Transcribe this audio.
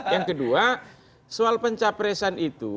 yang kedua soal pencapresan itu